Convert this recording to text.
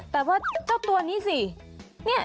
แต่ว่าเจ้าตัวนี้สิ